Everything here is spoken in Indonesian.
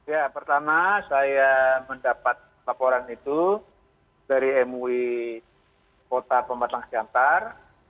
ya pertama saya mendapat laporan itu dari mui kota pematang siantar